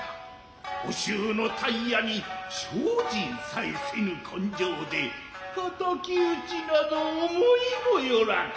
御主の逮夜に精進さえせぬ根性で敵討ちなど思いも寄らぬ。